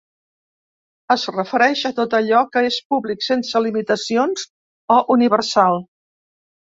Es refereix a tot allò que és públic, sense limitacions o universal.